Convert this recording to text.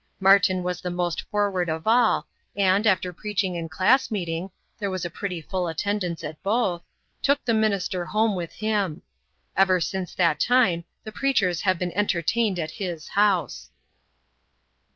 Martin was the most forward of all, and, after preaching and class meeting there was a pretty full attendance at both took the minister home with him. Ever since that time, the preachers have been entertained at his house.